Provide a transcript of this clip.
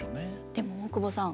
でも大久保さん